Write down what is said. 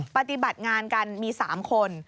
ปฏิบัติงานกันมี๓คน